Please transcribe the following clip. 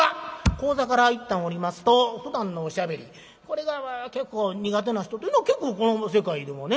高座からいったん下りますとふだんのおしゃべりこれが結構苦手な人というのは結構この世界でもね